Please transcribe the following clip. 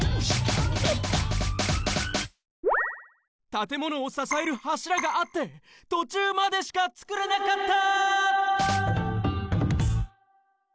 たてものをささえるはしらがあって途中までしか作れなかった！